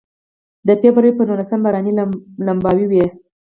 د فبروري په نولسمه باراني لمباوې وې.